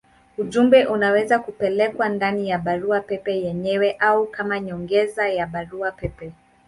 Ujumbe unaweza kupelekwa ndani ya barua pepe yenyewe au kama nyongeza ya barua pepe.